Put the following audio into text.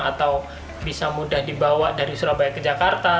atau bisa mudah dibawa dari surabaya ke jakarta